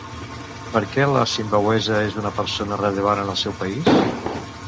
Per què la zimbabuesa és una persona rellevant en el seu país?